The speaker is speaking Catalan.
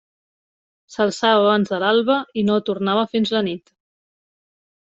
S'alçava abans de l'alba i no tornava fins a la nit.